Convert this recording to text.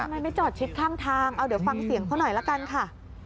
ทำไมไม่จอดชิดข้างทางเอาเดี๋ยวฟังเสียงเขาหน่อยละกันค่ะ